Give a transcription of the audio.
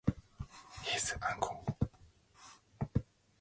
His uncle, Jonathan Trumbull Junior served as governor for ten terms.